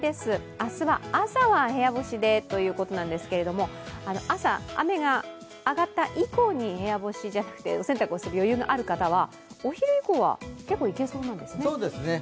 明日は朝は部屋干しでということなんですけれども、朝、雨が上がった以降にお洗濯をする余裕がある方は、お昼以降は結構いけそうなんですね？